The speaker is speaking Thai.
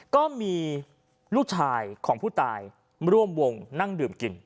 ก็มีลูกชายของผู้ตายร่วมวงนั่งดื่มกิน